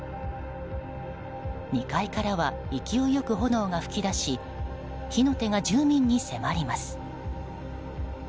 ２階からは勢いよく炎が噴き出し火の手が住民に迫ります。